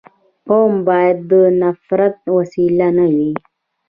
قوم باید د نفرت وسیله نه وي.